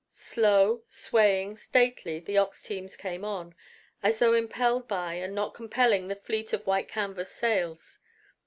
Slow, swaying, stately, the ox teams came on, as though impelled by and not compelling the fleet of white canvas sails.